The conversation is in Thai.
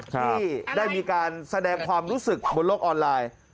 ที่ได้มีการแสดงความรู้สึกบนโลกออนไลน์